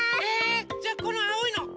じゃあこのあおいの。